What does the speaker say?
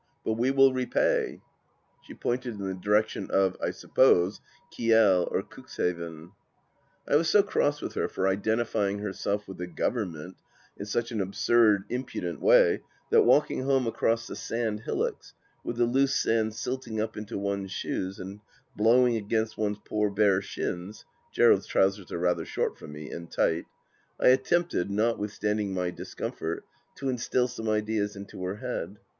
But we will repay I " She pointed in the direction of, I suppose, Kiel or Cux haven. I was so cross with her for identifying herself with the Government in such an absurd, impudent way that walking home across the sand hillocks, with the loose sand silting up into one's shoes, and blowing against one's poor bare shins — Gerald's trousers are rather short for me, and tight — I attempted, notwithstanding my discomfort, to instil some ideas into her head.